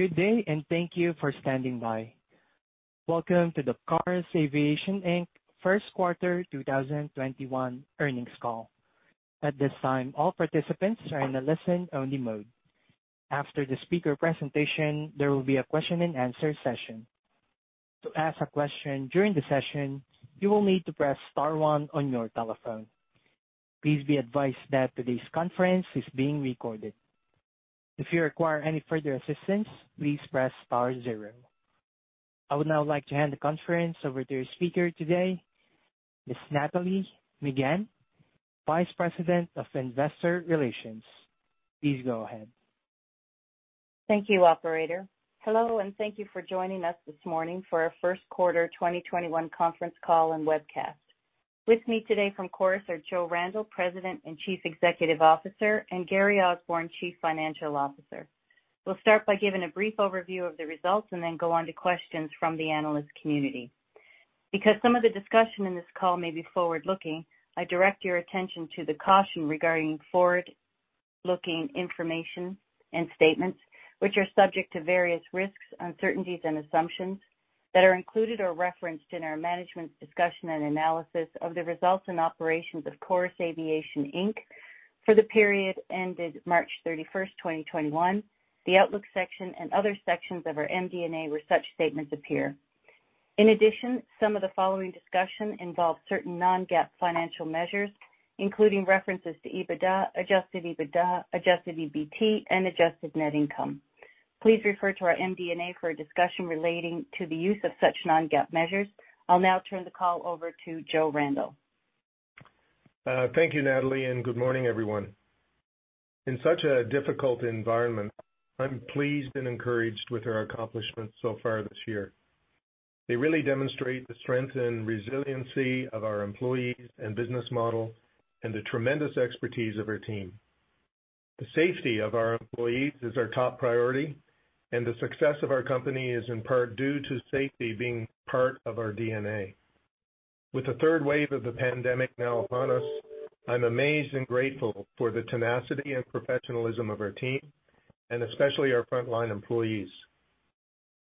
Good day, and thank you for standing by. Welcome to the Chorus Aviation Inc. first quarter 2021 earnings call. At this time, all participants are in a listen-only mode. After the speaker presentation, there will be a question-and-answer session. To ask a question during the session, you will need to press star one on your telephone. Please be advised that today's conference is being recorded. If you require any further assistance, please press star zero. I would now like to hand the conference over to your speaker today, Ms. Nathalie Megann, Vice President of Investor Relations. Please go ahead. Thank you, operator. Hello, and thank you for joining us this morning for our first quarter 2021 conference call and webcast. With me today from Chorus are Joe Randell, President and Chief Executive Officer, and Gary Osborne, Chief Financial Officer. We'll start by giving a brief overview of the results and then go on to questions from the analyst community. Because some of the discussion in this call may be forward-looking, I direct your attention to the caution regarding forward-looking information and statements, which are subject to various risks, uncertainties and assumptions that are included or referenced in our management's discussion and analysis of the results and operations of Chorus Aviation Inc. for the period ended March 31, 2021, the outlook section and other sections of our MD&A, where such statements appear. In addition, some of the following discussion involves certain non-GAAP financial measures, including references to EBITDA, adjusted EBITDA, adjusted EBT, and adjusted net income. Please refer to our MD&A for a discussion relating to the use of such non-GAAP measures. I'll now turn the call over to Joe Randell. Thank you, Nathalie, and good morning, everyone. In such a difficult environment, I'm pleased and encouraged with our accomplishments so far this year. They really demonstrate the strength and resiliency of our employees and business model and the tremendous expertise of our team. The safety of our employees is our top priority, and the success of our company is in part due to safety being part of our DNA. With the third wave of the pandemic now upon us, I'm amazed and grateful for the tenacity and professionalism of our team, and especially our frontline employees.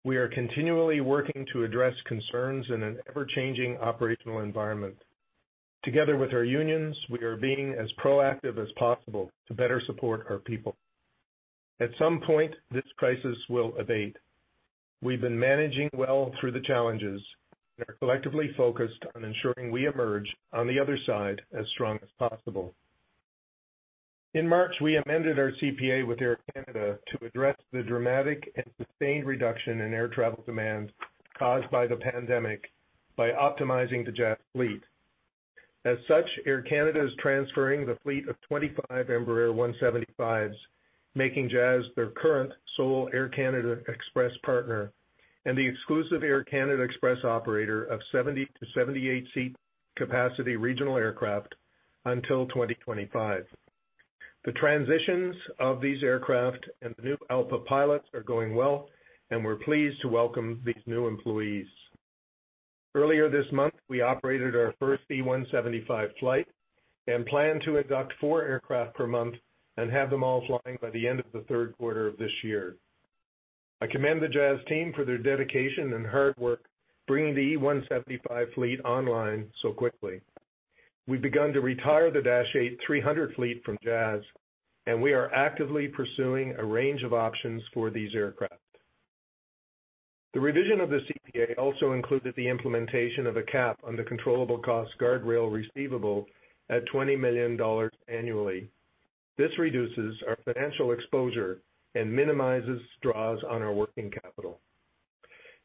We are continually working to address concerns in an ever-changing operational environment. Together with our unions, we are being as proactive as possible to better support our people. At some point, this crisis will abate. We've been managing well through the challenges and are collectively focused on ensuring we emerge on the other side as strong as possible. In March, we amended our CPA with Air Canada to address the dramatic and sustained reduction in air travel demand caused by the pandemic by optimizing the Jazz fleet. As such, Air Canada is transferring the fleet of 25 Embraer 175s, making Jazz their current sole Air Canada Express partner and the exclusive Air Canada Express operator of 70-78-seat capacity regional aircraft until 2025. The transitions of these aircraft and the new ALPA pilots are going well, and we're pleased to welcome these new employees. Earlier this month, we operated our first E-175 flight and plan to induct four aircraft per month and have them all flying by the end of the third quarter of this year. I commend the Jazz team for their dedication and hard work, bringing the E175 fleet online so quickly. We've begun to retire the Dash 8-300 fleet from Jazz, and we are actively pursuing a range of options for these aircraft. The revision of the CPA also included the implementation of a cap on the controllable cost guardrail receivable at 20 million dollars annually. This reduces our financial exposure and minimizes draws on our working capital.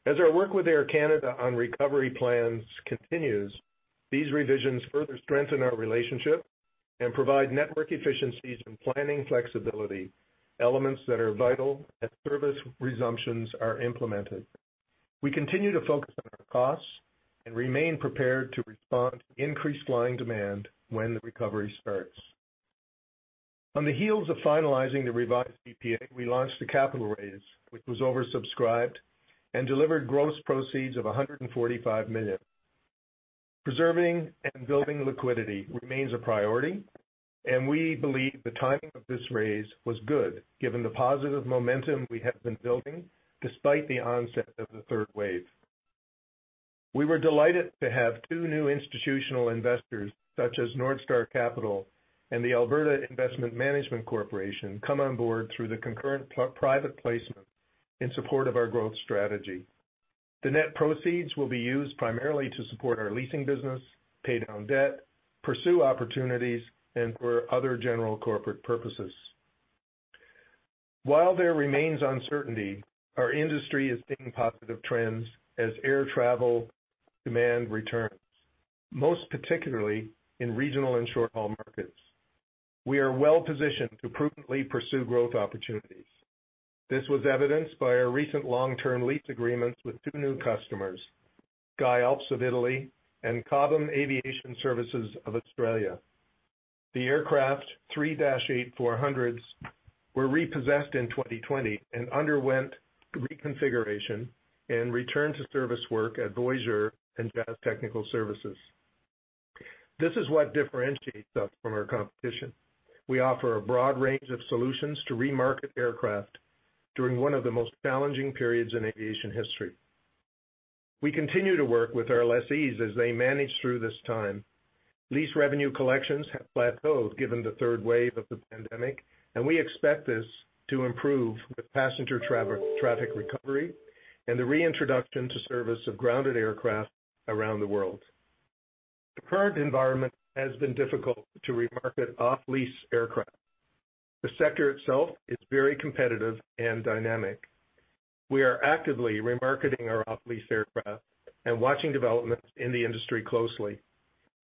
As our work with Air Canada on recovery plans continues, these revisions further strengthen our relationship and provide network efficiencies and planning flexibility, elements that are vital as service resumptions are implemented. We continue to focus on our costs and remain prepared to respond to increased flying demand when the recovery starts. On the heels of finalizing the revised CPA, we launched a capital raise, which was oversubscribed and delivered gross proceeds of 145 million. Preserving and building liquidity remains a priority, and we believe the timing of this raise was good, given the positive momentum we have been building despite the onset of the third wave. We were delighted to have two new institutional investors, such as NordStar Capital and the Alberta Investment Management Corporation, come on board through the concurrent private placement in support of our growth strategy. The net proceeds will be used primarily to support our leasing business, pay down debt, pursue opportunities, and for other general corporate purposes. While there remains uncertainty, our industry is seeing positive trends as air travel demand returns, most particularly in regional and short-haul markets. We are well positioned to prudently pursue growth opportunities. This was evidenced by our recent long-term lease agreements with two new customers, Sky Alps of Italy and Cobham Aviation Services Australia. The aircraft, Dash 8-400s, were repossessed in 2020 and underwent reconfiguration and returned to service work at Voyageur and Jazz Technical Services. This is what differentiates us from our competition. We offer a broad range of solutions to remarket aircraft during one of the most challenging periods in aviation history. We continue to work with our lessees as they manage through this time. Lease revenue collections have plateaued, given the third wave of the pandemic, and we expect this to improve with passenger traffic recovery and the reintroduction to service of grounded aircraft around the world. The current environment has been difficult to remarket off-lease aircraft. The sector itself is very competitive and dynamic. We are actively remarketing our off-lease aircraft and watching developments in the industry closely.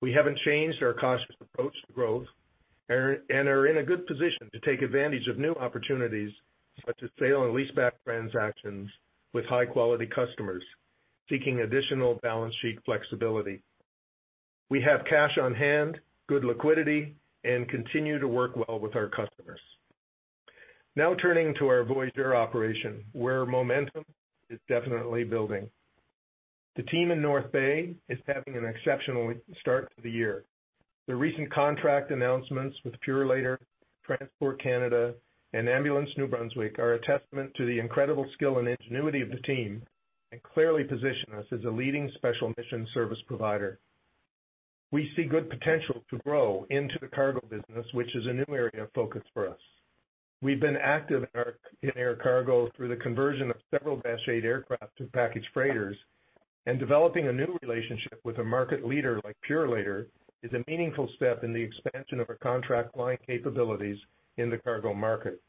We haven't changed our cautious approach to growth, and are in a good position to take advantage of new opportunities, such as sale and leaseback transactions with high-quality customers seeking additional balance sheet flexibility. We have cash on hand, good liquidity, and continue to work well with our customers. Now turning to our Voyageur Aviation operation, where momentum is definitely building. The team in North Bay is having an exceptional start to the year. The recent contract announcements with Purolator, Transport Canada, and Ambulance New Brunswick are a testament to the incredible skill and ingenuity of the team and clearly position us as a leading special mission service provider. We see good potential to grow into the cargo business, which is a new area of focus for us. We've been active in our air cargo through the conversion of several Dash 8 aircraft to package freighters, and developing a new relationship with a market leader like Purolator is a meaningful step in the expansion of our contract line capabilities in the cargo market.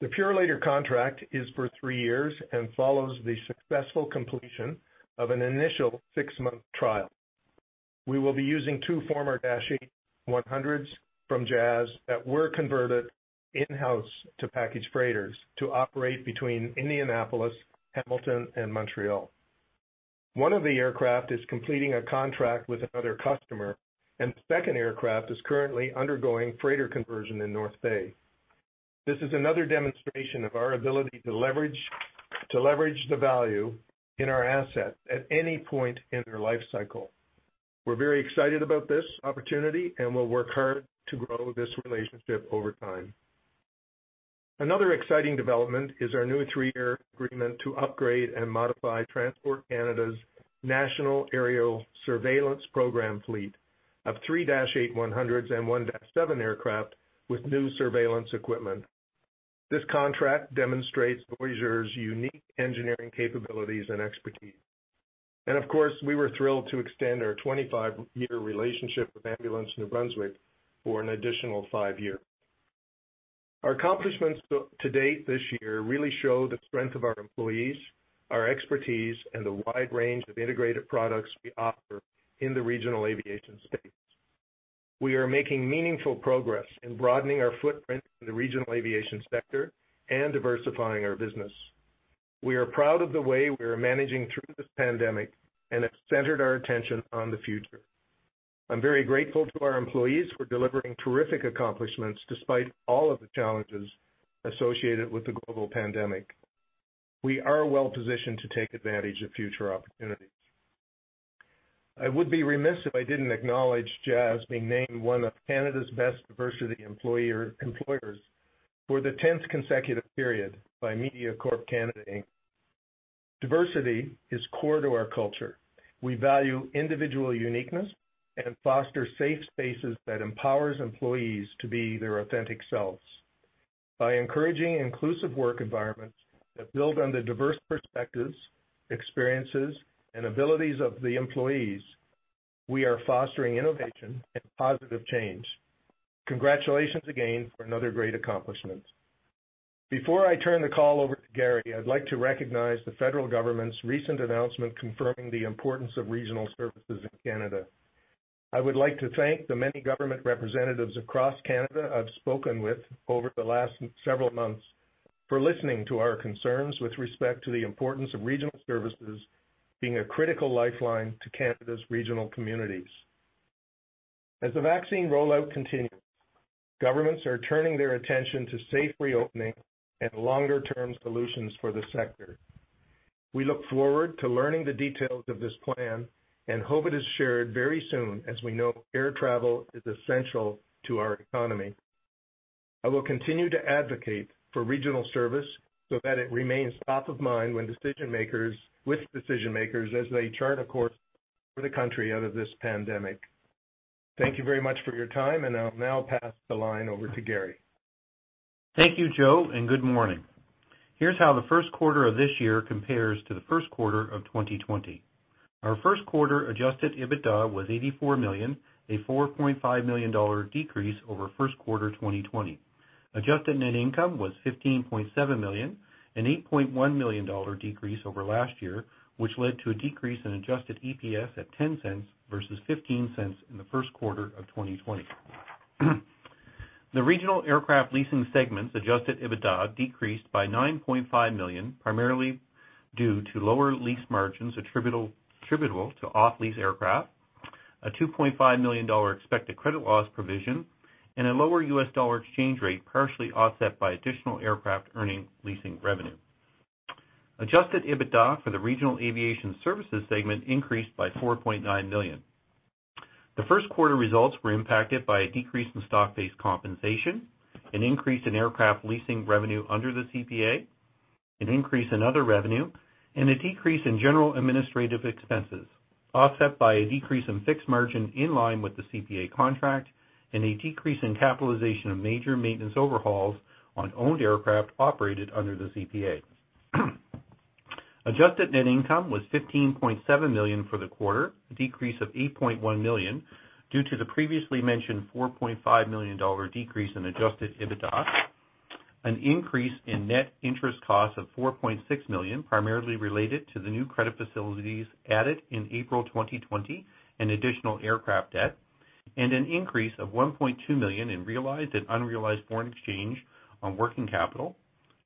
The Purolator contract is for three years and follows the successful completion of an initial six-month trial. We will be using two former Dash 8-100s from Jazz that were converted in-house to package freighters to operate between Indianapolis, Hamilton, and Montreal. One of the aircraft is completing a contract with another customer, and the second aircraft is currently undergoing freighter conversion in North Bay. This is another demonstration of our ability to leverage the value in our assets at any point in their life cycle. We're very excited about this opportunity, and we'll work hard to grow this relationship over time. Another exciting development is our new three year agreement to upgrade and modify Transport Canada's National Aerial Surveillance Program fleet of three Dash 8-100s and one Dash 7 aircraft with new surveillance equipment. This contract demonstrates Voyageur's unique engineering capabilities and expertise. Of course, we were thrilled to extend our 25-year relationship with Ambulance New Brunswick for an additional five years. Our accomplishments to date this year really show the strength of our employees, our expertise, and the wide range of integrated products we offer in the regional aviation space. We are making meaningful progress in broadening our footprint in the regional aviation sector and diversifying our business. We are proud of the way we are managing through this pandemic and have centered our attention on the future. I'm very grateful to our employees for delivering terrific accomplishments despite all of the challenges associated with the global pandemic. We are well positioned to take advantage of future opportunities. I would be remiss if I didn't acknowledge Jazz being named one of Canada's Best Diversity Employers for the tenth consecutive period by Mediacorp Canada Inc. Diversity is core to our culture. We value individual uniqueness and foster safe spaces that empowers employees to be their authentic selves. By encouraging inclusive work environments that build on the diverse perspectives, experiences, and abilities of the employees, we are fostering innovation and positive change. Congratulations again for another great accomplishment. Before I turn the call over to Gary, I'd like to recognize the federal government's recent announcement confirming the importance of regional services in Canada. I would like to thank the many government representatives across Canada I've spoken with over the last several months, for listening to our concerns with respect to the importance of regional services being a critical lifeline to Canada's regional communities. As the vaccine rollout continues, governments are turning their attention to safe reopening and longer-term solutions for the sector. We look forward to learning the details of this plan and hope it is shared very soon, as we know air travel is essential to our economy. I will continue to advocate for regional service so that it remains top of mind with decision makers as they chart a course for the country out of this pandemic. Thank you very much for your time, and I'll now pass the line over to Gary. Thank you, Joe, and good morning. Here's how the first quarter of this year compares to the first quarter of 2020. Our first quarter adjusted EBITDA was 84 million, a 4.5 million dollar decrease over first quarter 2020. Adjusted net income was 15.7 million, a 8.1 million dollar decrease over last year, which led to a decrease in adjusted EPS at 0.10 versus 0.15 in the first quarter of 2020. The regional aircraft leasing segment's adjusted EBITDA decreased by 9.5 million, primarily due to lower lease margins attributable to off-lease aircraft, a 2.5 million dollar expected credit loss provision, and a lower US dollar exchange rate, partially offset by additional aircraft earning leasing revenue. Adjusted EBITDA for the Regional Aviation Services segment increased by 4.9 million. The first quarter results were impacted by a decrease in stock-based compensation, an increase in aircraft leasing revenue under the CPA, an increase in other revenue, and a decrease in general administrative expenses, offset by a decrease in fixed margin in line with the CPA contract and a decrease in capitalization of major maintenance overhauls on owned aircraft operated under the CPA. Adjusted net income was 15.7 million for the quarter, a decrease of 8.1 million, due to the previously mentioned 4.5 million dollar decrease in adjusted EBITDA, an increase in net interest costs of 4.6 million, primarily related to the new credit facilities added in April 2020 and additional aircraft debt, and an increase of 1.2 million in realized and unrealized foreign exchange on working capital,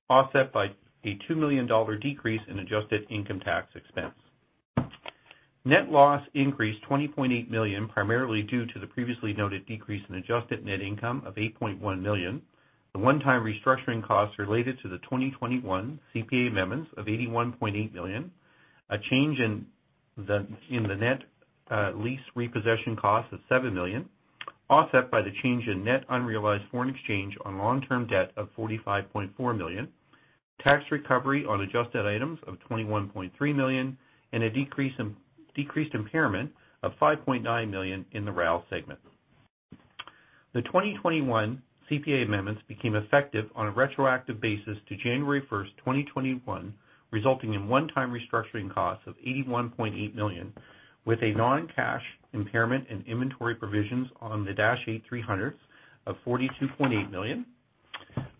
offset by a 2 million dollar decrease in adjusted income tax expense. Net loss increased 20.8 million, primarily due to the previously noted decrease in adjusted net income of 8.1 million, the one-time restructuring costs related to the 2021 CPA amendments of 81.8 million, a change in the net lease repossession cost of 7 million, offset by the change in net unrealized foreign exchange on long-term debt of 45.4 million, tax recovery on adjusted items of 21.3 million, and a decreased impairment of 5.9 million in the RAL segment. The 2021 CPA amendments became effective on a retroactive basis to January 1, 2021, resulting in one-time restructuring costs of 81.8 million, with a non-cash impairment and inventory provisions on the Dash 8-300 of 42.8 million,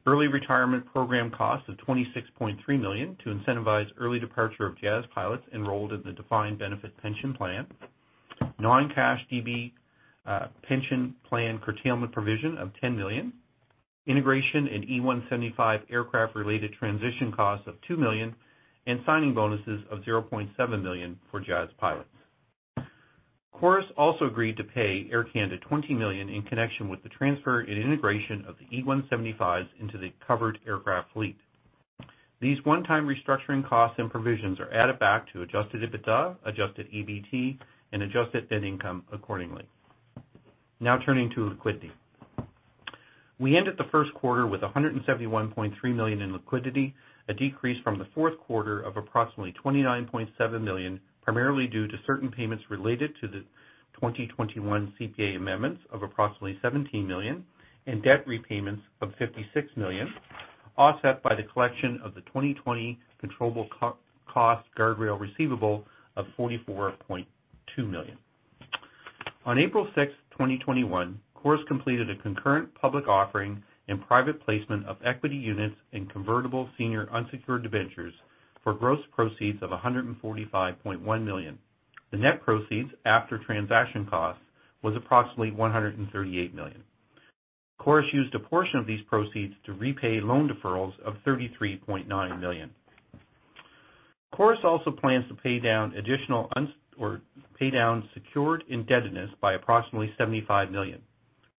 early retirement program costs of 26.3 million to incentivize early departure of Jazz pilots enrolled in the defined benefit pension plan, non-cash DB pension plan curtailment provision of 10 million, integration and E175 aircraft-related transition costs of 2 million, and signing bonuses of 0.7 million for Jazz pilots. Chorus also agreed to pay Air Canada 20 million in connection with the transfer and integration of the E175s into the covered aircraft fleet. These one-time restructuring costs and provisions are added back to adjusted EBITDA, adjusted EBT, and adjusted net income accordingly. Now turning to liquidity. We ended the first quarter with 171.3 million in liquidity, a decrease from the fourth quarter of approximately 29.7 million, primarily due to certain payments related to the 2021 CPA amendments of approximately 17 million and debt repayments of 56 million, offset by the collection of the 2020 controllable cost guardrail receivable of 44.2 million. On April 6, 2021, Chorus completed a concurrent public offering and private placement of equity units and convertible senior unsecured debentures for gross proceeds of 145.1 million. The net proceeds after transaction costs was approximately 138 million. Chorus used a portion of these proceeds to repay loan deferrals of 33.9 million. Chorus also plans to pay down additional unsecured or pay down secured indebtedness by approximately 75 million.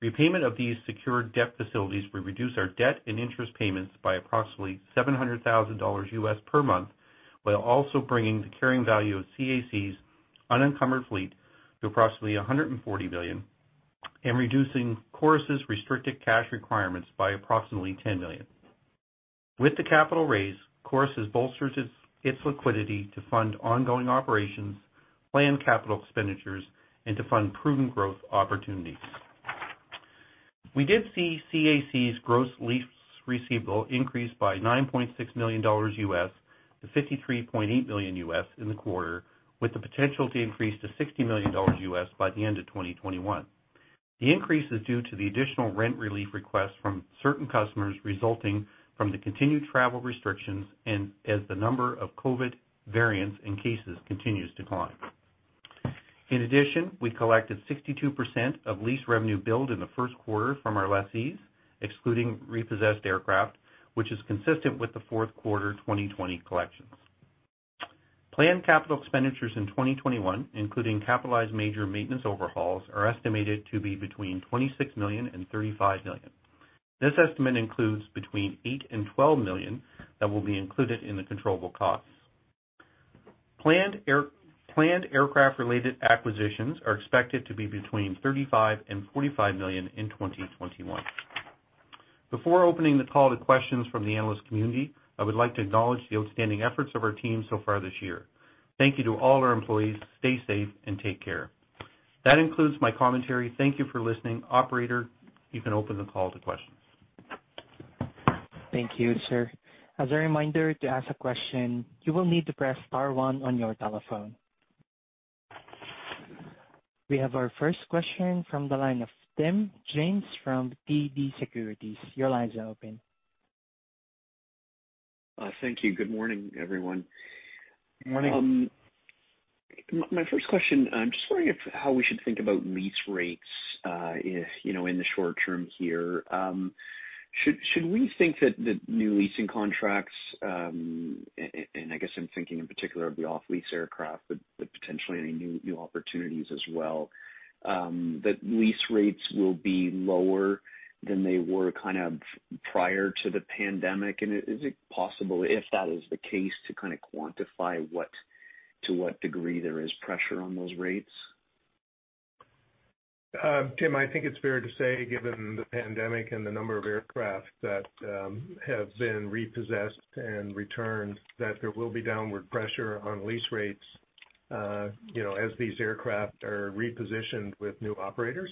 Repayment of these secured debt facilities will reduce our debt and interest payments by approximately $700,000 per month, while also bringing the carrying value of CAC's unencumbered fleet to approximately $140 million and reducing Chorus's restricted cash requirements by approximately $10 million. With the capital raise, Chorus has bolstered its liquidity to fund ongoing operations, planned capital expenditures, and to fund prudent growth opportunities. We did see CAC's gross lease receivable increase by $9.6 million to $53.8 million in the quarter, with the potential to increase to $60 million by the end of 2021. The increase is due to the additional rent relief requests from certain customers resulting from the continued travel restrictions and as the number of COVID variants and cases continues to climb. In addition, we collected 62% of lease revenue billed in the first quarter from our lessees, excluding repossessed aircraft, which is consistent with the fourth quarter 2020 collections. Planned capital expenditures in 2021, including capitalized major maintenance overhauls, are estimated to be between 26 million and 35 million. This estimate includes between 8 million and 12 million that will be included in the controllable costs. Planned aircraft-related acquisitions are expected to be between 35 million and 45 million in 2021. Before opening the call to questions from the analyst community, I would like to acknowledge the outstanding efforts of our team so far this year. Thank you to all our employees. Stay safe and take care. That includes my commentary. Thank you for listening. Operator, you can open the call to questions. Thank you, sir. As a reminder, to ask a question, you will need to press star one on your telephone. We have our first question from the line of Tim James from TD Securities. Your line is open. Thank you. Good morning, everyone. Good morning. My first question, I'm just wondering if how we should think about lease rates, you know, in the short term here. Should we think that the new leasing contracts, and I guess I'm thinking in particular of the off-lease aircraft, but potentially any new opportunities as well... that lease rates will be lower than they were kind of prior to the pandemic? Is it possible, if that is the case, to kind of quantify what, to what degree there is pressure on those rates? Tim, I think it's fair to say, given the pandemic and the number of aircraft that have been repossessed and returned, that there will be downward pressure on lease rates, you know, as these aircraft are repositioned with new operators.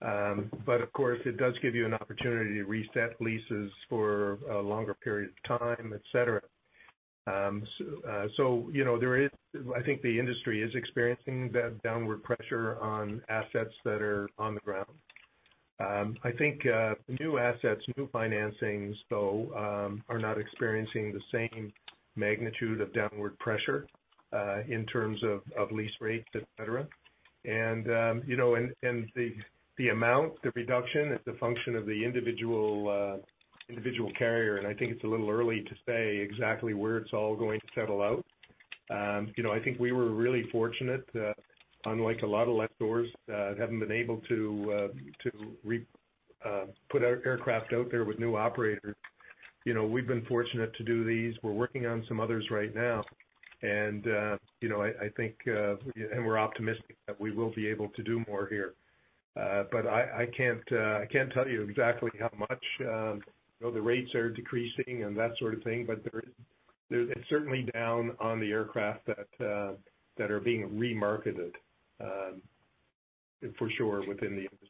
But of course, it does give you an opportunity to reset leases for a longer period of time, et cetera. So, you know, I think the industry is experiencing that downward pressure on assets that are on the ground. I think, new assets, new financings, though, are not experiencing the same magnitude of downward pressure, in terms of, of lease rates, et cetera. You know, the amount, the reduction is the function of the individual individual carrier, and I think it's a little early to say exactly where it's all going to settle out. You know, I think we were really fortunate, unlike a lot of lessors, haven't been able to to re- put our aircraft out there with new operators. You know, we've been fortunate to do these. We're working on some others right now, and, you know, I, I think, and we're optimistic that we will be able to do more here. But I, I can't, I can't tell you exactly how much, you know, the rates are decreasing and that sort of thing, but there is- it's certainly down on the aircraft that, that are being remarketed, for sure within the industry.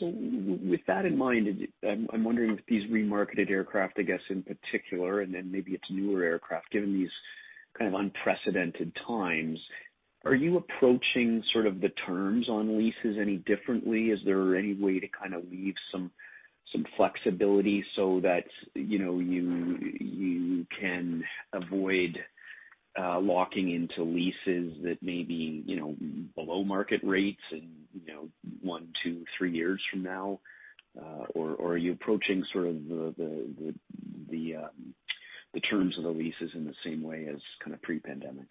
So with that in mind, I'm wondering if these remarketed aircraft, I guess, in particular, and then maybe it's newer aircraft, given these kind of unprecedented times, are you approaching sort of the terms on leases any differently? Is there any way to kind of leave some flexibility so that, you know, you can avoid locking into leases that may be, you know, below market rates in, you know, one, two, three years from now? Or are you approaching sort of the terms of the leases in the same way as kind of pre-pandemic?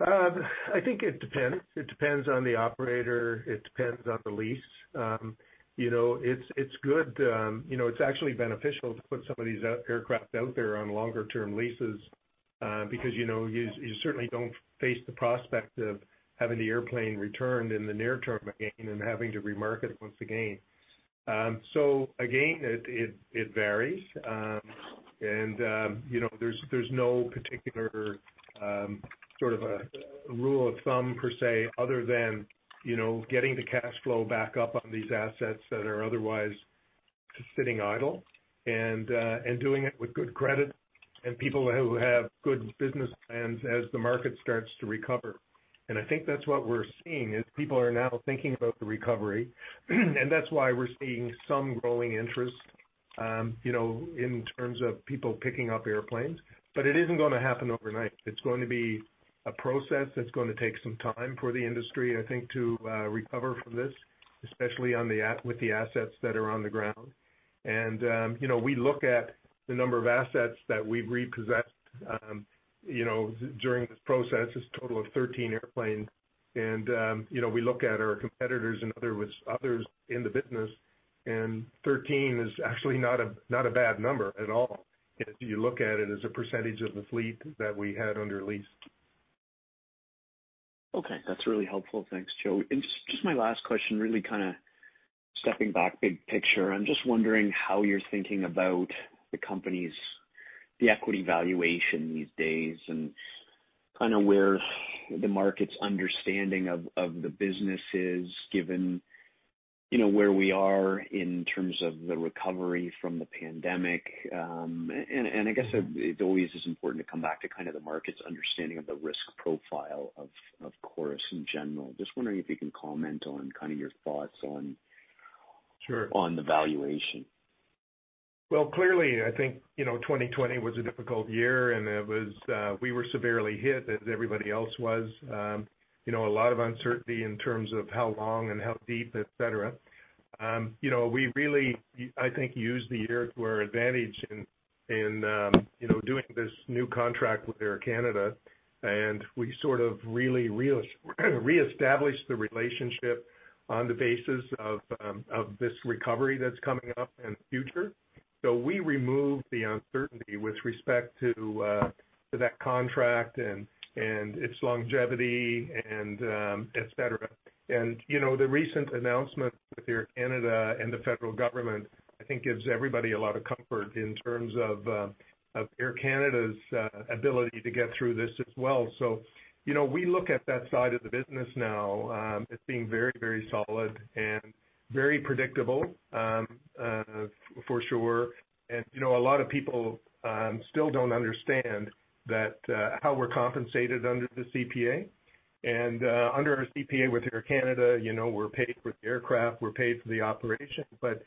I think it depends. It depends on the operator. It depends on the lease. You know, it's good, you know, it's actually beneficial to put some of these aircraft out there on longer term leases, because, you know, you certainly don't face the prospect of having the airplane returned in the near term again and having to remarket it once again. So again, it varies. And, you know, there's no particular, sort of a rule of thumb per se, other than, you know, getting the cash flow back up on these assets that are otherwise just sitting idle, and doing it with good credit and people who have good business plans as the market starts to recover. I think that's what we're seeing, is people are now thinking about the recovery, and that's why we're seeing some growing interest, you know, in terms of people picking up airplanes. But it isn't gonna happen overnight. It's going to be a process that's gonna take some time for the industry, I think, to recover from this, especially with the assets that are on the ground. And, you know, we look at the number of assets that we've repossessed, you know, during this process, it's a total of 13 airplanes, and, you know, we look at our competitors and others in the business, and 13 is actually not a, not a bad number at all, if you look at it as a percentage of the fleet that we had under lease. Okay, that's really helpful. Thanks, Joe. And just, just my last question, really kind of stepping back, big picture. I'm just wondering how you're thinking about the company's, the equity valuation these days, and kind of where the market's understanding of, of the business is, given, you know, where we are in terms of the recovery from the pandemic. And, and, I guess it, it always is important to come back to kind of the market's understanding of the risk profile of, of Chorus in general. Just wondering if you can comment on kind of your thoughts on- Sure On the valuation. Well, clearly, I think, you know, 2020 was a difficult year, and it was, we were severely hit, as everybody else was. You know, a lot of uncertainty in terms of how long and how deep, et cetera. You know, we really, I think, used the year to our advantage in, you know, doing this new contract with Air Canada, and we sort of really re-established the relationship on the basis of, of this recovery that's coming up in the future. So we removed the uncertainty with respect to, to that contract and, and its longevity and, et cetera. And, you know, the recent announcement with Air Canada and the federal government, I think, gives everybody a lot of comfort in terms of, of Air Canada's, ability to get through this as well. You know, we look at that side of the business now, as being very, very solid and very predictable, for sure. And, you know, a lot of people, still don't understand that, how we're compensated under the CPA. And, under our CPA with Air Canada, you know, we're paid for the aircraft, we're paid for the operation, but,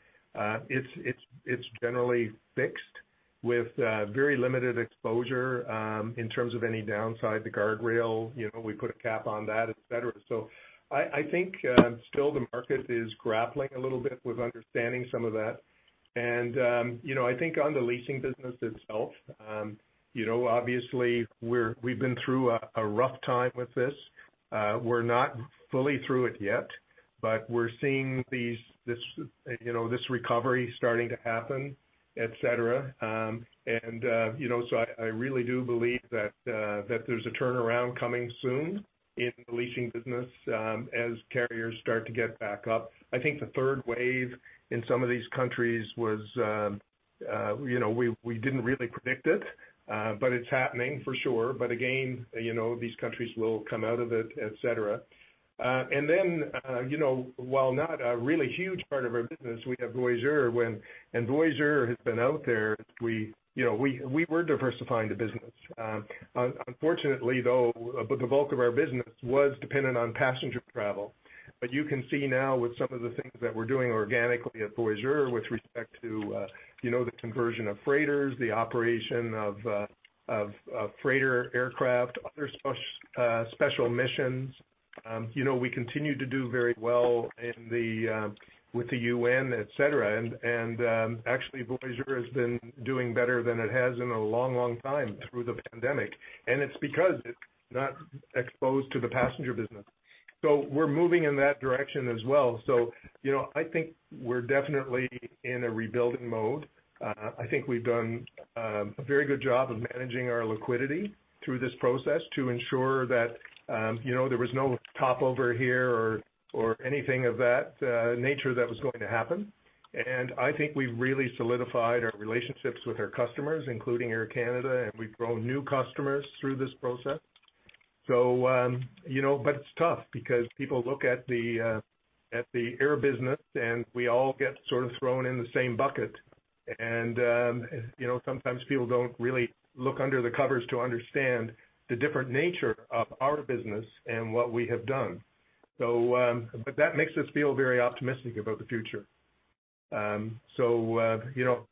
it's generally fixed with, very limited exposure, in terms of any downside, the guardrail, you know, we put a cap on that, et cetera. So I think, still the market is grappling a little bit with understanding some of that. And, you know, I think on the leasing business itself, you know, obviously, we've been through a rough time with this. We're not fully through it yet... We're seeing these, this, you know, this recovery starting to happen, et cetera. And, you know, so I, I really do believe that, that there's a turnaround coming soon in the leasing business, as carriers start to get back up. I think the third wave in some of these countries was, you know, we, we didn't really predict it, but it's happening for sure. But again, you know, these countries will come out of it, et cetera. And then, you know, while not a really huge part of our business, we have Voyageur and Voyageur has been out there. We, you know, we, we were diversifying the business. Unfortunately, though, the bulk of our business was dependent on passenger travel. You can see now with some of the things that we're doing organically at Voyageur, with respect to, you know, the conversion of freighters, the operation of freighter aircraft, other special missions. You know, we continue to do very well in the with the UN, et cetera. And actually, Voyageur has been doing better than it has in a long, long time through the pandemic, and it's because it's not exposed to the passenger business. So we're moving in that direction as well. So, you know, I think we're definitely in a rebuilding mode. I think we've done a very good job of managing our liquidity through this process to ensure that, you know, there was no top over here or anything of that nature that was going to happen. I think we've really solidified our relationships with our customers, including Air Canada, and we've grown new customers through this process. You know, but it's tough because people look at the air business, and we all get sort of thrown in the same bucket. You know, sometimes people don't really look under the covers to understand the different nature of our business and what we have done. But that makes us feel very optimistic about the future. You know,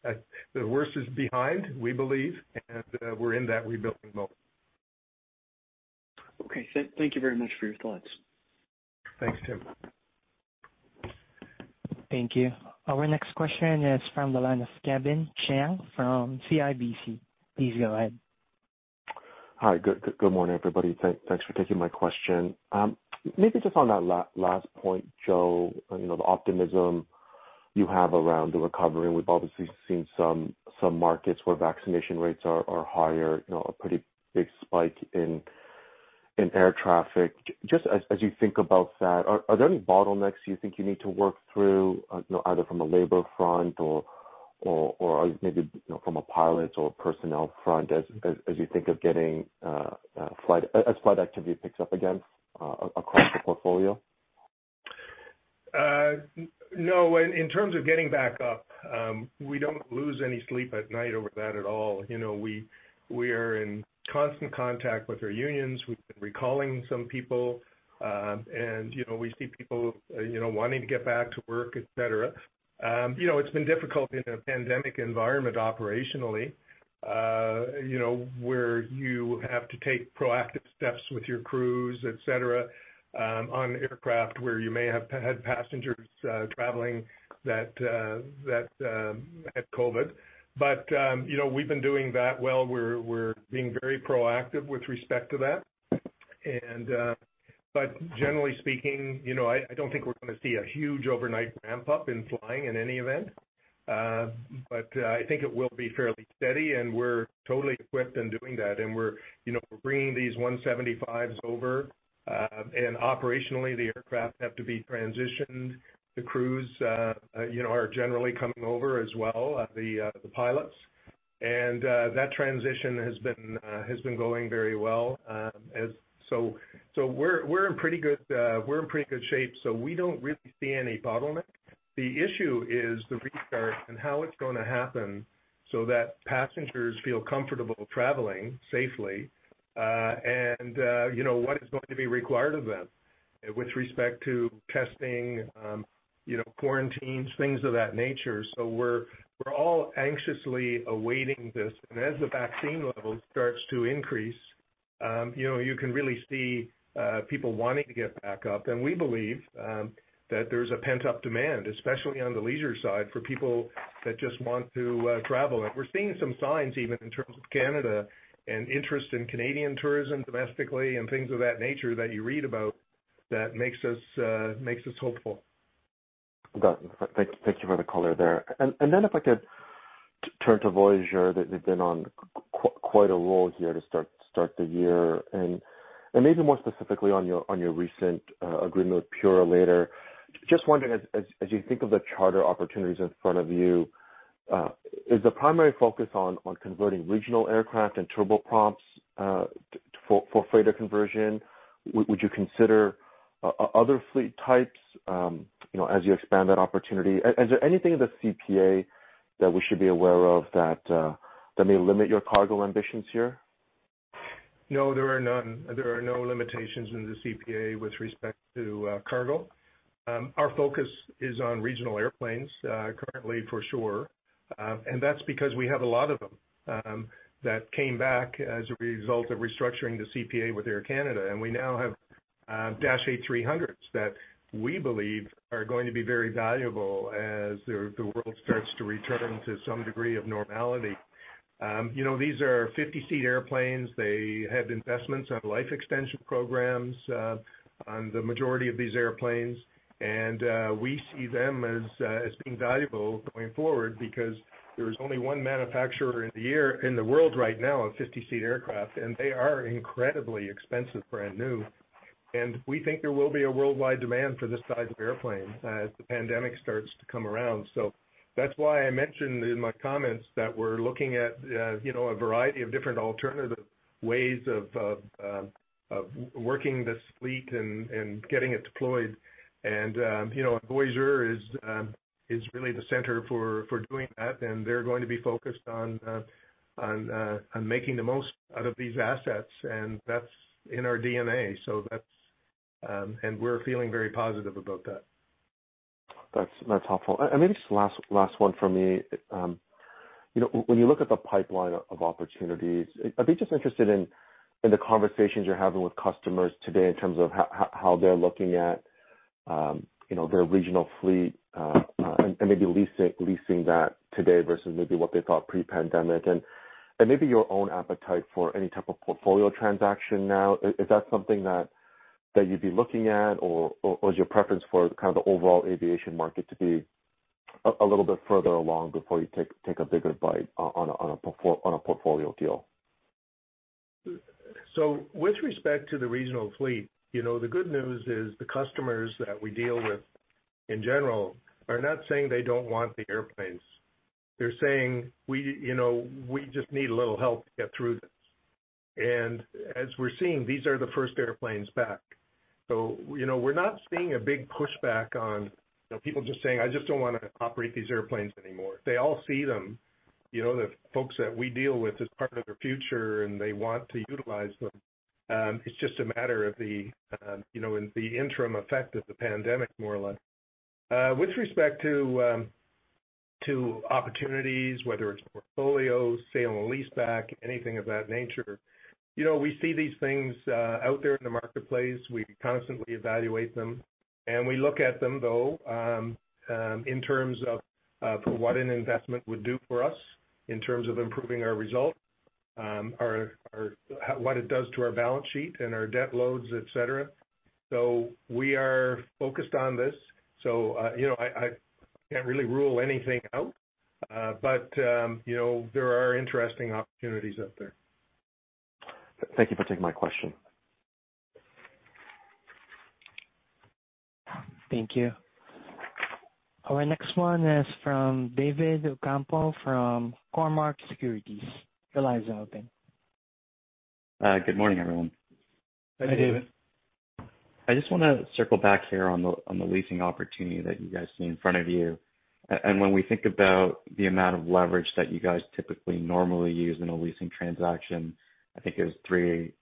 the worst is behind, we believe, and we're in that rebuilding mode. Okay. Thank you very much for your thoughts. Thanks, Tim. Thank you. Our next question is from the line of Kevin Chiang from CIBC. Please go ahead. Hi, good morning, everybody. Thanks for taking my question. Maybe just on that last point, Joe, you know, the optimism you have around the recovery, and we've obviously seen some markets where vaccination rates are higher, you know, a pretty big spike in air traffic. Just as you think about that, are there any bottlenecks you think you need to work through, you know, either from a labor front or maybe from a pilots or personnel front as you think of getting flight activity picks up again across the portfolio? No, in terms of getting back up, we don't lose any sleep at night over that at all. You know, we are in constant contact with our unions. We've been recalling some people, and, you know, we see people, you know, wanting to get back to work, et cetera. You know, it's been difficult in a pandemic environment operationally, you know, where you have to take proactive steps with your crews, et cetera, on aircraft where you may have had passengers, traveling that had COVID. But, you know, we've been doing that well. We're being very proactive with respect to that. But generally speaking, you know, I don't think we're gonna see a huge overnight ramp-up in flying in any event. I think it will be fairly steady, and we're totally equipped in doing that. And we're, you know, we're bringing these 175s over, and operationally, the aircraft have to be transitioned. The crews, you know, are generally coming over as well, the pilots. And that transition has been going very well. So we're in pretty good shape, so we don't really see any bottleneck. The issue is the restart and how it's gonna happen so that passengers feel comfortable traveling safely, and you know, what is going to be required of them with respect to testing, you know, quarantines, things of that nature. So we're all anxiously awaiting this. As the vaccine level starts to increase, you know, you can really see people wanting to get back up. We believe that there's a pent-up demand, especially on the leisure side, for people that just want to travel. We're seeing some signs, even in terms of Canada and interest in Canadian tourism domestically and things of that nature that you read about, that makes us hopeful. Got it. Thank you for the color there. And then if I could turn to Voyageur, that they've been on quite a roll here to start the year. And maybe more specifically on your recent agreement with Purolator, just wondering, as you think of the charter opportunities in front of you, is the primary focus on converting regional aircraft and turboprops for freighter conversion? Would you consider other fleet types, you know, as you expand that opportunity? And is there anything in the CPA that we should be aware of that may limit your cargo ambitions here? No, there are none. There are no limitations in the CPA with respect to cargo. Our focus is on regional airplanes, currently, for sure. And that's because we have a lot of them that came back as a result of restructuring the CPA with Air Canada. And we now have Dash 8-300s that we believe are going to be very valuable as the world starts to return to some degree of normality. You know, these are 50-seat airplanes. They have investments on life extension programs on the majority of these airplanes, and we see them as being valuable going forward because there is only one manufacturer in the world right now of 50-seat aircraft, and they are incredibly expensive brand new.... We think there will be a worldwide demand for this size of airplane as the pandemic starts to come around. So that's why I mentioned in my comments that we're looking at, you know, a variety of different alternative ways of working this fleet and getting it deployed. And, you know, Voyageur is really the center for doing that, and they're going to be focused on making the most out of these assets, and that's in our DNA. So that's, and we're feeling very positive about that. That's helpful. And maybe just last one for me. You know, when you look at the pipeline of opportunities, I'd be just interested in the conversations you're having with customers today in terms of how they're looking at, you know, their regional fleet, and maybe leasing that today versus maybe what they thought pre-pandemic. And maybe your own appetite for any type of portfolio transaction now. Is that something that you'd be looking at, or is your preference for kind of the overall aviation market to be a little bit further along before you take a bigger bite on a portfolio deal? With respect to the regional fleet, you know, the good news is the customers that we deal with in general are not saying they don't want the airplanes. They're saying, "We, you know, we just need a little help to get through this." And as we're seeing, these are the first airplanes back. So, you know, we're not seeing a big pushback on, you know, people just saying, "I just don't want to operate these airplanes anymore." They all see them, you know, the folks that we deal with, as part of their future, and they want to utilize them. It's just a matter of the, you know, in the interim effect of the pandemic, more or less. With respect to opportunities, whether it's portfolios, sale and lease back, anything of that nature, you know, we see these things out there in the marketplace. We constantly evaluate them, and we look at them, though, in terms of for what an investment would do for us in terms of improving our results, our -- what it does to our balance sheet and our debt loads, et cetera. So we are focused on this. So, you know, I can't really rule anything out, but, you know, there are interesting opportunities out there. Thank you for taking my question. Thank you. Our next one is from David Ocampo, from Cormark Securities. Your line is open. Good morning, everyone. Hi, David. I just want to circle back here on the, on the leasing opportunity that you guys see in front of you. And when we think about the amount of leverage that you guys typically normally use in a leasing transaction, I think it was 3:1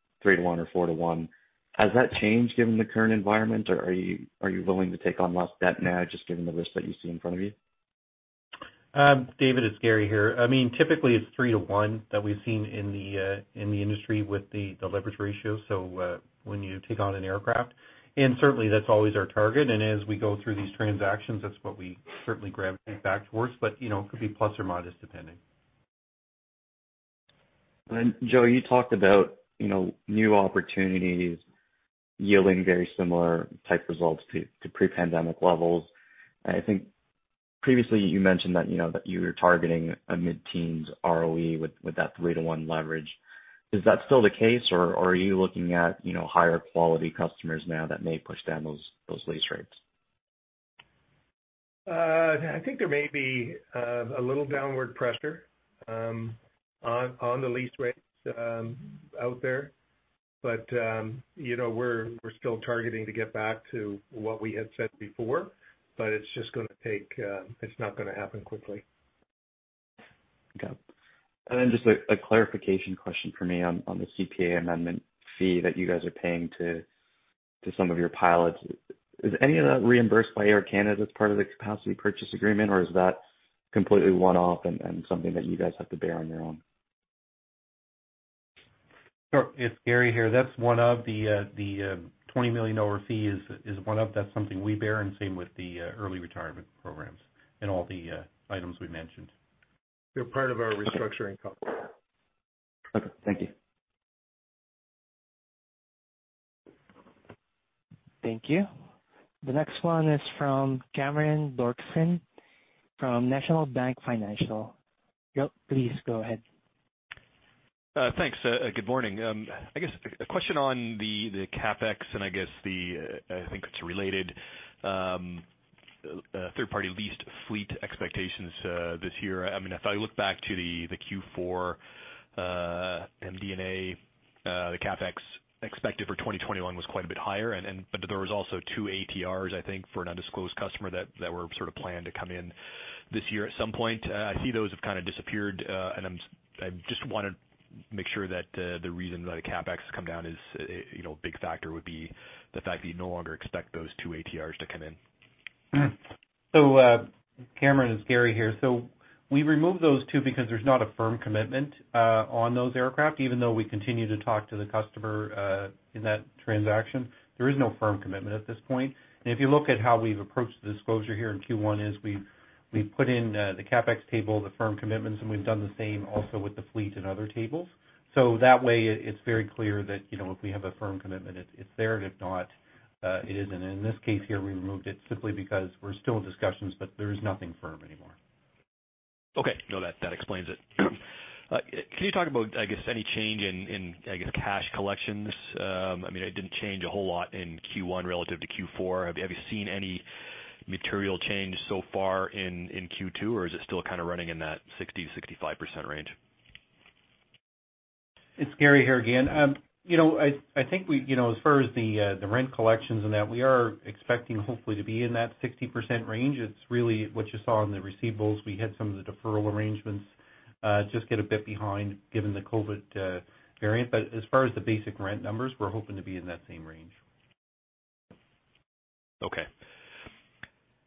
or 4:1. Has that changed given the current environment, or are you, are you willing to take on less debt now, just given the risk that you see in front of you? David, it's Gary here. I mean, typically it's 3:1 that we've seen in the industry with the leverage ratio, so, when you take on an aircraft, and certainly that's always our target. And as we go through these transactions, that's what we certainly gravitate back towards. But, you know, it could be plus or minus, depending. Then, Joe, you talked about, you know, new opportunities yielding very similar type results to, to pre-pandemic levels. I think previously you mentioned that, you know, that you were targeting a mid-teens ROE with, with that 3:1 leverage. Is that still the case, or, or are you looking at, you know, higher quality customers now that may push down those, those lease rates? I think there may be a little downward pressure on the lease rates out there. But you know, we're still targeting to get back to what we had said before, but it's just gonna take... it's not gonna happen quickly. Okay. And then just a clarification question for me on the CPA amendment fee that you guys are paying to some of your pilots. Is any of that reimbursed by Air Canada as part of the capacity purchase agreement, or is that completely one-off and something that you guys have to bear on your own? Sure. It's Gary here. That's one of the 20 million dollar fee is one of that's something we bear, and same with the early retirement programs and all the items we mentioned. They're part of our restructuring costs. Okay, thank you. Thank you. The next one is from Cameron Doerksen, from National Bank Financial. Yep, please go ahead. Thanks. Good morning. I guess a question on the CapEx and I guess the, I think it's related, third-party leased fleet expectations, this year. I mean, if I look back to the Q4, MD&A, the CapEx expected for 2021 was quite a bit higher, and but there was also two ATRs, I think, for an undisclosed customer that were sort of planned to come in this year at some point. I see those have kind of disappeared, and I just want to make sure that the reason that the CapEx has come down is, you know, a big factor would be the fact that you no longer expect those two ATRs to come in. So, Cameron, it's Gary here. We removed those two because there's not a firm commitment on those aircraft, even though we continue to talk to the customer in that transaction. There is no firm commitment at this point. If you look at how we've approached the disclosure here in Q1, is we've put in the CapEx table, the firm commitments, and we've done the same also with the fleet and other tables. That way it's very clear that, you know, if we have a firm commitment, it's there, and if not, it isn't. In this case here, we removed it simply because we're still in discussions, but there is nothing firm anymore. Okay. No, that, that explains it. Can you talk about, I guess, any change in, in, I guess, cash collections? I mean, it didn't change a whole lot in Q1 relative to Q4. Have you seen any material change so far in, in Q2, or is it still kind of running in that 60%-65% range? It's Gary here again. You know, I think you know, as far as the rent collections and that, we are expecting hopefully to be in that 60% range. It's really what you saw in the receivables. We had some of the deferral arrangements just get a bit behind given the COVID variant. But as far as the basic rent numbers, we're hoping to be in that same range. Okay.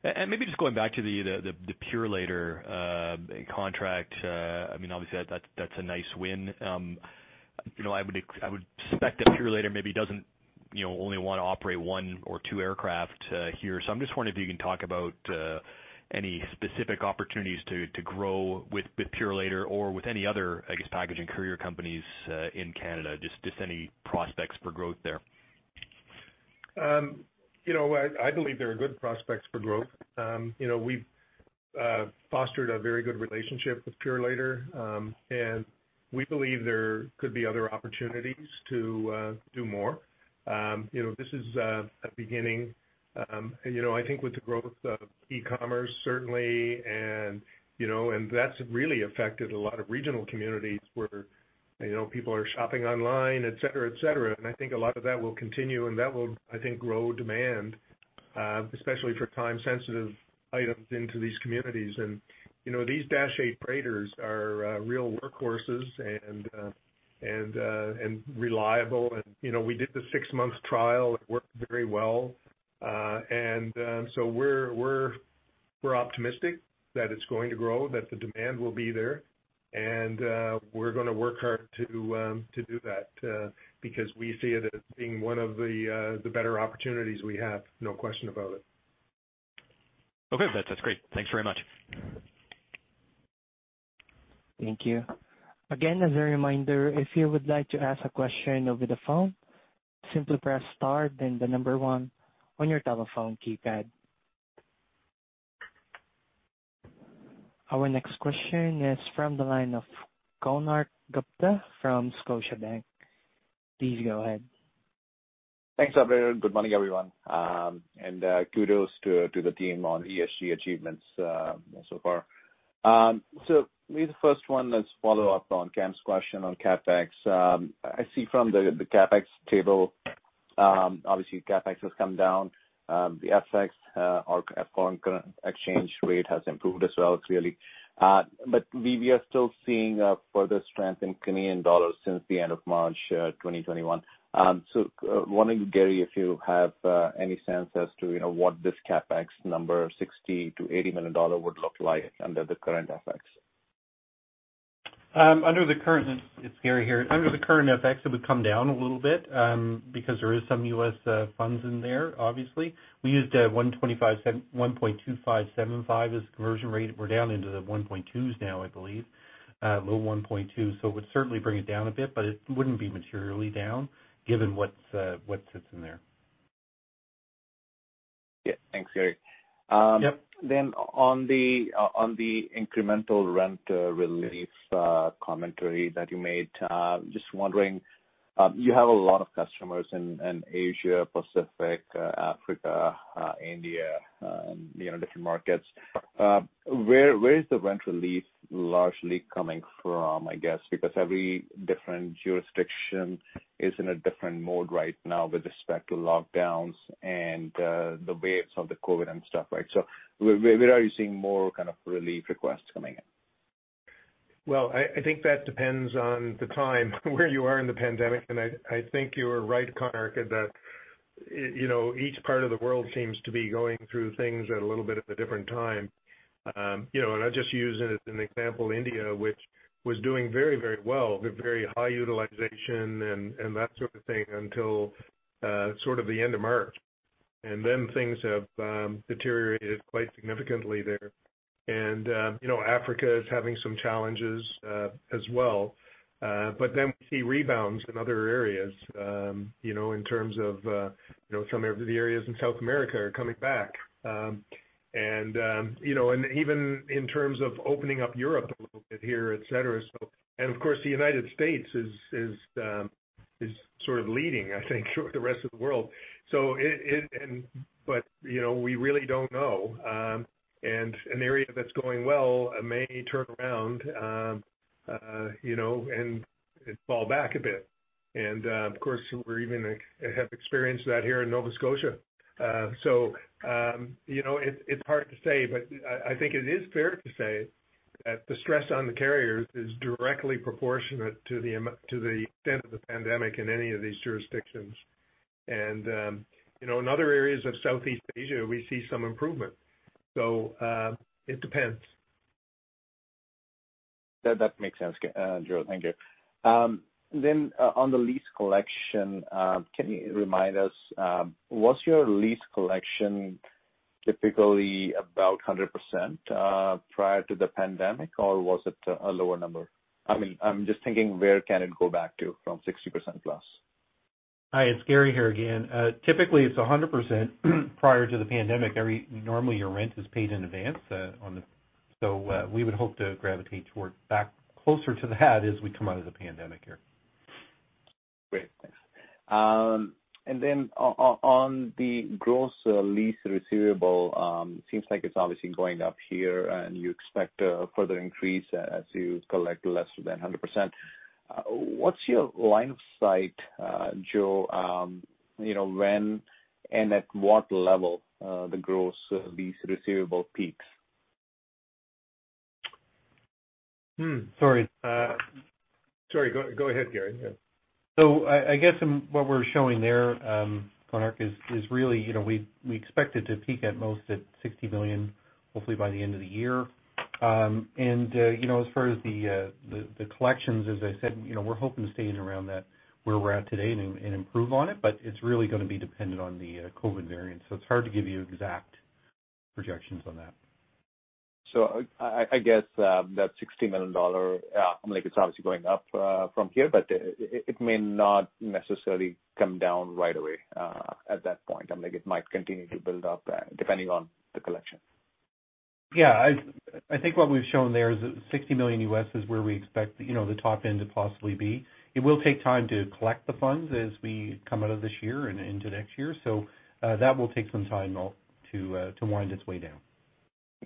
And maybe just going back to the Purolator contract. I mean, obviously that's a nice win. You know, I would suspect that Purolator maybe doesn't, you know, only want to operate one or two aircraft here. So I'm just wondering if you can talk about any specific opportunities to grow with Purolator or with any other, I guess, package and courier companies in Canada, just any prospects for growth there? You know, I believe there are good prospects for growth. You know, we've fostered a very good relationship with Purolator, and we believe there could be other opportunities to do more. You know, this is a beginning. And, you know, I think with the growth of e-commerce certainly, and, you know, and that's really affected a lot of regional communities where, you know, people are shopping online, et cetera, et cetera. I think a lot of that will continue, and that will, I think, grow demand, especially for time-sensitive items into these communities. And, you know, these Dash 8 freighters are real workhorses and reliable. And, you know, we did the six-month trial. It worked very well. So, we're optimistic that it's going to grow, that the demand will be there, and we're gonna work hard to do that, because we see it as being one of the better opportunities we have, no question about it. Okay. That's, that's great. Thanks very much. Thank you. Again, as a reminder, if you would like to ask a question over the phone, simply press star then the number one on your telephone keypad. Our next question is from the line of Konark Gupta from Scotiabank. Please go ahead. Thanks, operator. Good morning, everyone. Kudos to the team on ESG achievements so far. So maybe the first one is follow up on Cam's question on CapEx. I see from the CapEx table, obviously CapEx has come down. The FX, or foreign currency exchange rate has improved as well, clearly. But we are still seeing further strength in Canadian dollars since the end of March 2021. So, wondering, Gary, if you have any sense as to, you know, what this CapEx number, 60 million-80 million dollar, would look like under the current FX? It's Gary here. Under the current FX, it would come down a little bit, because there is some U.S. funds in there, obviously. We used 1.2575 as conversion rate. We're down into the 1.2s now, I believe, low 1.2. So it would certainly bring it down a bit, but it wouldn't be materially down given what's what sits in there. Yeah. Thanks, Gary. Yep. Then on the incremental rent relief commentary that you made, just wondering, you have a lot of customers in Asia, Pacific, Africa, India, you know, different markets. Where is the rent relief largely coming from, I guess? Because every different jurisdiction is in a different mode right now with respect to lockdowns and the waves of the COVID and stuff, right? So where are you seeing more kind of relief requests coming in? Well, I think that depends on the time where you are in the pandemic, and I think you are right, Konark, that you know, each part of the world seems to be going through things at a little bit of a different time. You know, and I'll just use as an example, India, which was doing very, very well, with very high utilization and that sort of thing, until sort of the end of March. And then things have deteriorated quite significantly there. And you know, Africa is having some challenges as well. But then we see rebounds in other areas, you know, in terms of you know, some of the areas in South America are coming back. And you know, and even in terms of opening up Europe a little bit here, et cetera. So... Of course, the United States is sort of leading, I think, the rest of the world. So it... But, you know, we really don't know. And an area that's going well may turn around, you know, and fall back a bit. And, of course, we even have experienced that here in Nova Scotia. So, you know, it's hard to say, but I think it is fair to say that the stress on the carriers is directly proportionate to the extent of the pandemic in any of these jurisdictions. And, you know, in other areas of Southeast Asia, we see some improvement. So, it depends. That, that makes sense, Joe. Thank you. Then, on the lease collection, can you remind us, what's your lease collection, typically about 100%, prior to the pandemic, or was it a lower number? I mean, I'm just thinking, where can it go back to from 60% +? Hi, it's Gary here again. Typically, it's 100% prior to the pandemic. Normally, your rent is paid in advance, on the... So, we would hope to gravitate towards back closer to that as we come out of the pandemic here. Great, thanks. And then on the gross lease receivable, seems like it's obviously going up here, and you expect a further increase as you collect less than 100%. What's your line of sight, Joe, you know, when and at what level the gross lease receivable peaks? Sorry, sorry, go ahead, Gary. Yeah. So I guess what we're showing there, Konark, is really, you know, we expect it to peak at most at 60 million, hopefully by the end of the year. And you know, as far as the collections, as I said, you know, we're hoping to stay in around that, where we're at today and improve on it, but it's really gonna be dependent on the COVID variant. So it's hard to give you exact projections on that. I guess that 60 million dollar, like, it's obviously going up from here, but it may not necessarily come down right away at that point. I mean, it might continue to build up depending on the collection. Yeah, I think what we've shown there is that $60 million is where we expect, you know, the top end to possibly be. It will take time to collect the funds as we come out of this year and into next year. So, that will take some time all to to wind its way down.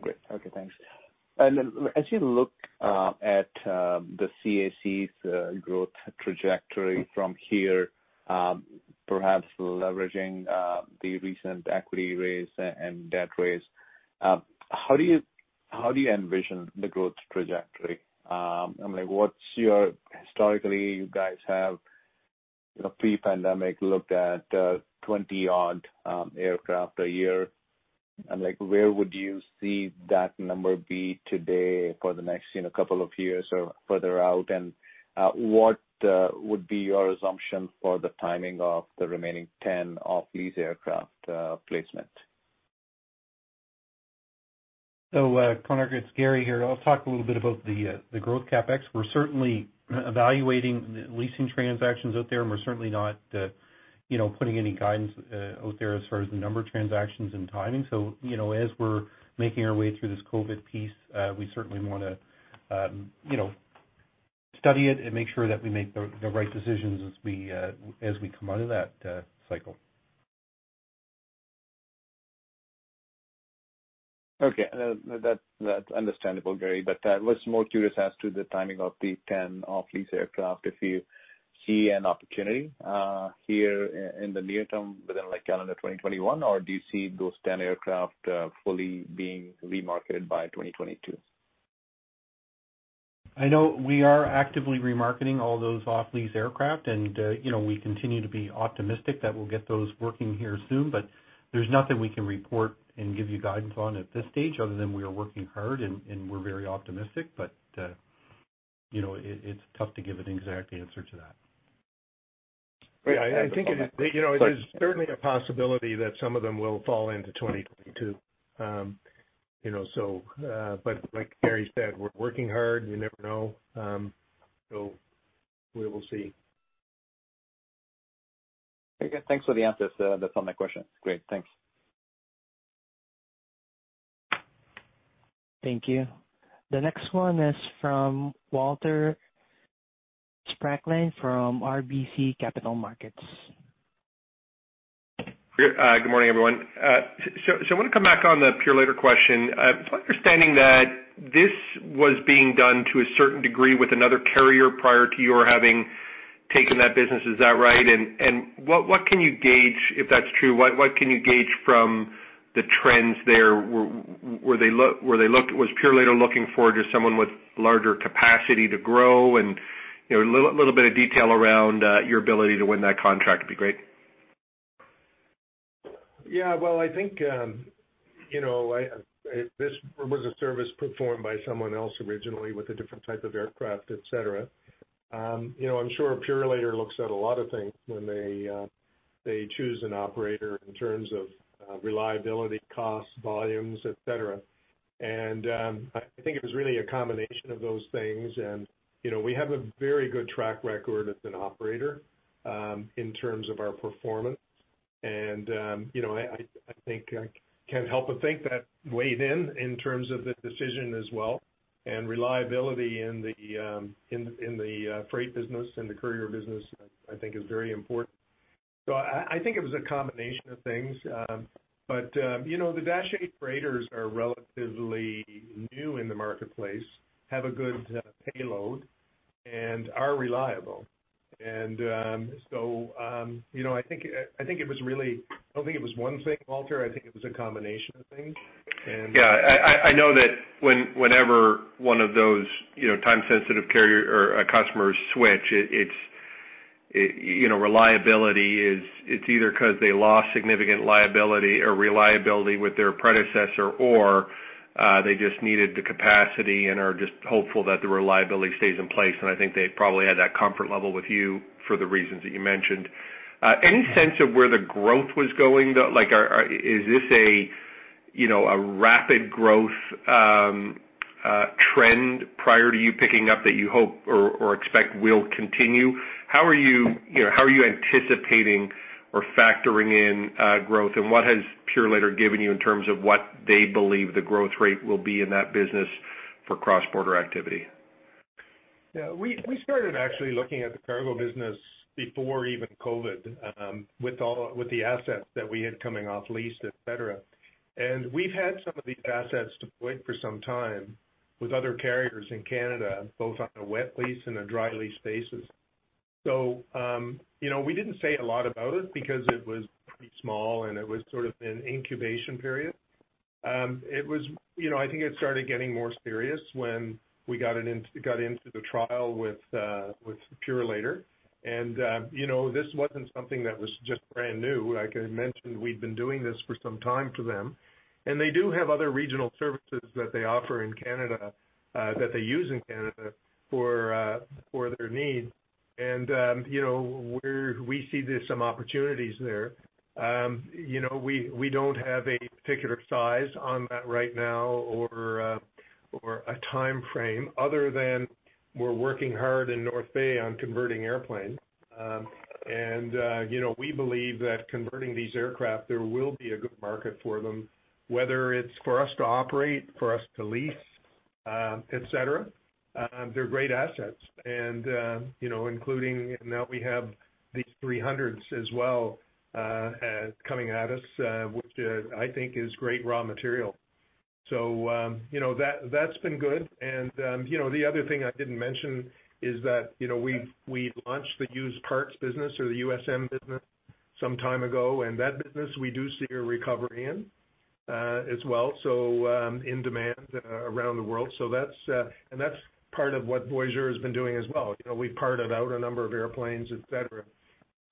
Great. Okay, thanks. And then as you look at the CAC's growth trajectory from here, perhaps leveraging the recent equity raise and debt raise, how do you envision the growth trajectory? I mean, what's your... Historically, you guys have, you know, pre-pandemic looked at 20-odd aircraft a year. And like, where would you see that number be today for the next, you know, couple of years or further out? And, what would be your assumption for the timing of the remaining 10 off-lease aircraft placement? So, Konark, it's Gary here. I'll talk a little bit about the growth CapEx. We're certainly evaluating the leasing transactions out there, and we're certainly not, you know, putting any guidance out there as far as the number of transactions and timing. So, you know, as we're making our way through this COVID piece, we certainly wanna, you know, study it and make sure that we make the right decisions as we come out of that cycle. Okay. That, that's understandable, Gary, but, was more curious as to the timing of the 10 off lease aircraft, if you see an opportunity, here in the near term, within, like, calendar 2021, or do you see those 10 aircraft, fully being remarketed by 2022? I know we are actively remarketing all those off lease aircraft, and, you know, we continue to be optimistic that we'll get those working here soon. But there's nothing we can report and give you guidance on at this stage, other than we are working hard and we're very optimistic. But, you know, it's tough to give an exact answer to that. Yeah, I think, you know, it is certainly a possibility that some of them will fall into 2022. You know, so, but like Gary said, we're working hard, you never know. So we will see. Okay, thanks for the answers, that's on my question. Great. Thanks. Thank you. The next one is from Walter Spracklin, from RBC Capital Markets. Great. Good morning, everyone. So I want to come back on the Purolator question. So understanding that this was being done to a certain degree with another carrier prior to your having taken that business, is that right? And what can you gauge, if that's true, what can you gauge from the trends there? Was Purolator looking for just someone with larger capacity to grow and, you know, a little bit of detail around your ability to win that contract would be great. Yeah, well, I think, you know, I, this was a service performed by someone else originally with a different type of aircraft, et cetera. You know, I'm sure Purolator looks at a lot of things when they, they choose an operator in terms of, reliability, costs, volumes, et cetera. And, I think it was really a combination of those things. And, you know, we have a very good track record as an operator, in terms of our performance. You know, I think, I can't help but think that weighed in, in terms of the decision as well, and reliability in the, freight business and the courier business, I think is very important. So I think it was a combination of things. But, you know, the Dash 8 freighters are relatively new in the marketplace, have a good payload and are reliable. So, you know, I think, I think it was really... I don't think it was one thing, Walter, I think it was a combination of things, and- Yeah, I know that whenever one of those, you know, time-sensitive carrier or a customer switch, it's, you know, reliability is. It's either because they lost significant liability or reliability with their predecessor, or they just needed the capacity and are just hopeful that the reliability stays in place. And I think they probably had that comfort level with you for the reasons that you mentioned. Any sense of where the growth was going, though? Like, are... Is this, you know, a rapid growth trend prior to you picking up that you hope or expect will continue. How are you, you know, how are you anticipating or factoring in growth? And what has Purolator given you in terms of what they believe the growth rate will be in that business for cross-border activity? Yeah. We started actually looking at the cargo business before even COVID, with the assets that we had coming off lease, et cetera. And we've had some of these assets deployed for some time with other carriers in Canada, both on a wet lease and a dry lease basis. So, you know, we didn't say a lot about it because it was pretty small, and it was sort of an incubation period. It was, you know, I think it started getting more serious when we got into the trial with Purolator. And, you know, this wasn't something that was just brand new. Like I mentioned, we'd been doing this for some time to them, and they do have other regional services that they offer in Canada, that they use in Canada for their needs. You know, we see there's some opportunities there. You know, we don't have a particular size on that right now or a timeframe, other than we're working hard in North Bay on converting airplanes. You know, we believe that converting these aircraft, there will be a good market for them, whether it's for us to operate, for us to lease, et cetera. They're great assets and, you know, including, now we have these 300s as well, coming at us, which I think is great raw material. You know, that's been good. You know, the other thing I didn't mention is that, you know, we, we launched the used parts business or the USM business some time ago, and that business we do see a recovery in, as well, so, in demand around the world. So that's, and that's part of what Voyageur has been doing as well. You know, we parted out a number of airplanes, et cetera.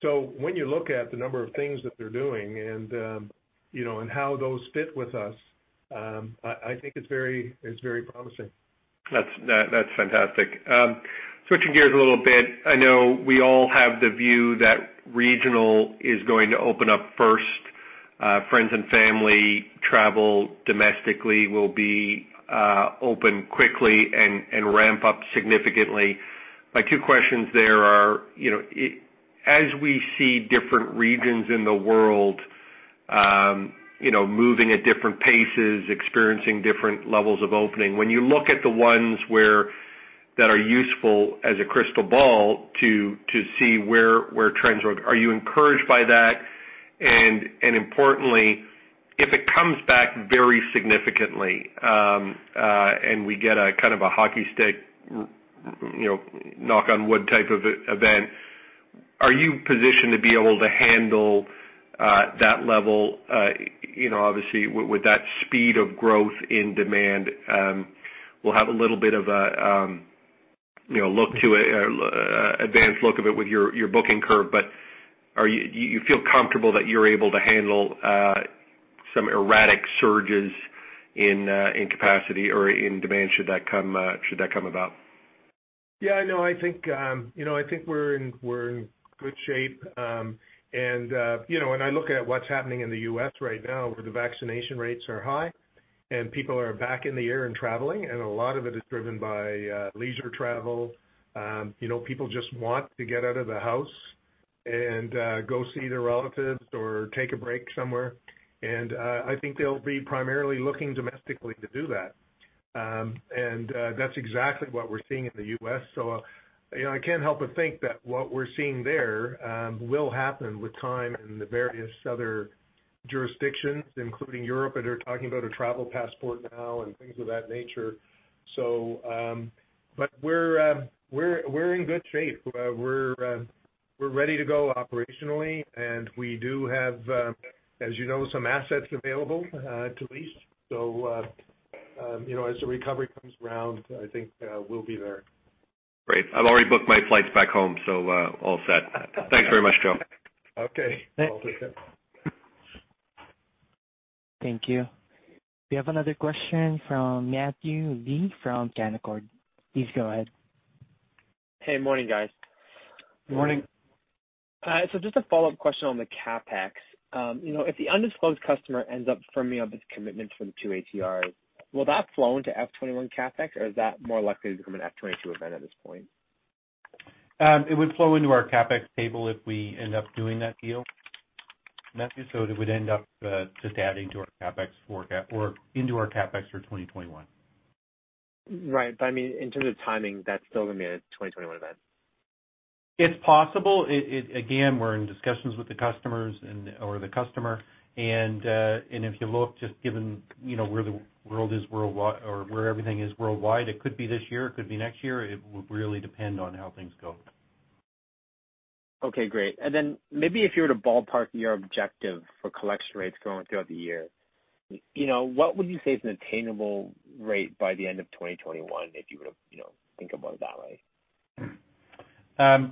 So when you look at the number of things that they're doing and, you know, and how those fit with us, I, I think it's very, it's very promising. That's fantastic. Switching gears a little bit, I know we all have the view that regional is going to open up first. Friends and family travel domestically will be open quickly and ramp up significantly. My two questions there are, you know, as we see different regions in the world, you know, moving at different paces, experiencing different levels of opening, when you look at the ones that are useful as a crystal ball to see where trends are, are you encouraged by that? Importantly, if it comes back very significantly, and we get a kind of a hockey stick, you know, knock on wood type of event, are you positioned to be able to handle that level, you know, obviously with that speed of growth in demand? We'll have a little bit of a, you know, look to it, an advanced look of it with your, your booking curve. But are you - do you feel comfortable that you're able to handle some erratic surges in capacity or in demand, should that come about? Yeah, I know, I think, you know, I think we're in, we're in good shape. And, you know, when I look at what's happening in the U.S. right now, where the vaccination rates are high and people are back in the air and traveling, and a lot of it is driven by, leisure travel. You know, people just want to get out of the house and, go see their relatives or take a break somewhere. I think they'll be primarily looking domestically to do that. And, that's exactly what we're seeing in the U.S. So, you know, I can't help but think that what we're seeing there, will happen with time in the various other jurisdictions, including Europe, and they're talking about a travel passport now and things of that nature. So, but we're in good shape. We're ready to go operationally, and we do have, as you know, some assets available to lease. So, you know, as the recovery comes around, I think, we'll be there. Great. I've already booked my flights back home, so, all set. Thanks very much, Joe. Okay. Thank you. We have another question from Matthew Lee from Canaccord. Please go ahead. Hey, morning, guys. Morning. Just a follow-up question on the CapEx. You know, if the undisclosed customer ends up firming up its commitment for the two ATRs, will that flow into F 2021 CapEx, or is that more likely to become an F 2022 event at this point? It would flow into our CapEx table if we end up doing that deal, Matthew. So it would end up just adding to our CapEx, or into our CapEx for 2021. Right. But I mean, in terms of timing, that's still gonna be a 2021 event? It's possible. It, again, we're in discussions with the customers and, or the customer, and, and if you look just given, you know, where the world is worldwide or where everything is worldwide, it could be this year, it could be next year. It would really depend on how things go. Okay, great. And then maybe if you were to ballpark your objective for collection rates going throughout the year, you know, what would you say is an attainable rate by the end of 2021, if you were to, you know, think about it that way?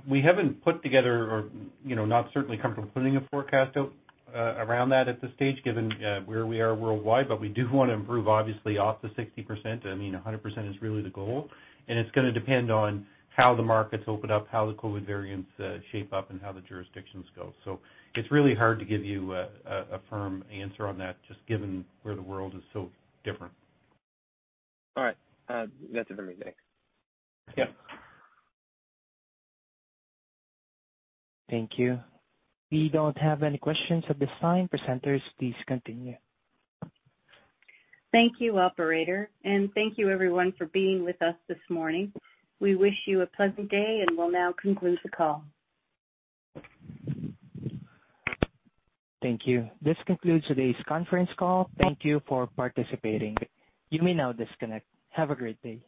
We haven't put together or, you know, not certainly comfortable putting a forecast out around that at this stage, given where we are worldwide. But we do want to improve, obviously, off the 60%. I mean, 100% is really the goal, and it's gonna depend on how the markets open up, how the COVID variants shape up, and how the jurisdictions go. So it's really hard to give you a firm answer on that, just given where the world is so different. All right. That's it for me. Thanks. Yep. Thank you. We don't have any questions at this time. Presenters, please continue. Thank you, operator, and thank you everyone for being with us this morning. We wish you a pleasant day and will now conclude the call. Thank you. This concludes today's conference call. Thank you for participating. You may now disconnect. Have a great day.